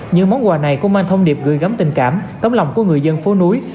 những món quà này cũng mang thông điệp gửi gắm tình cảm tấm lòng của người dân phố núi